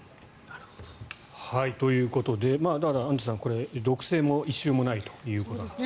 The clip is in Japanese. ということでただ、アンジュさんこれ、毒性も異臭もないということなんですね。